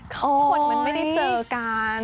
คนมันไม่ได้เจอกัน